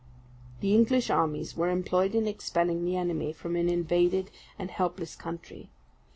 The English armies were employed in expelling the enemy from an invaded and helpless country.